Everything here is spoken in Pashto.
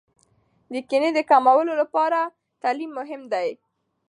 د کینې د کمولو لپاره تعلیم مهم دی.